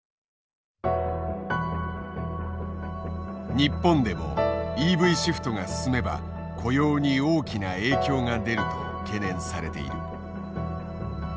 日本でもＥＶシフトが進めば雇用に大きな影響が出ると懸念されている。